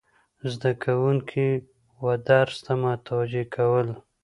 زده کوونکي و درس ته متوجه کول،